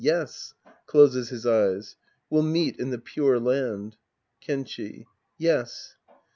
Yes. {Closes his eyes.) We'll meet in the Pure Land. Kenchi. Yes.